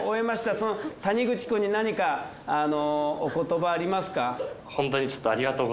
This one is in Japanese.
その谷口くんに何かお言葉ありますか？